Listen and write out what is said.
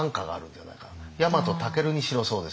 ヤマトタケルにしろそうですよね